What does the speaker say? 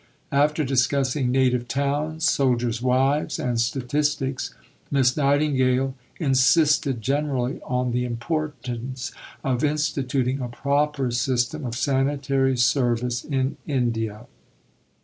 After discussing "Native Towns," "Soldiers' Wives," and "Statistics," Miss Nightingale insisted generally on the importance of instituting a proper system of sanitary service in India.